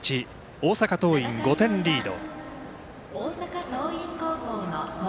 大阪桐蔭、５点リード。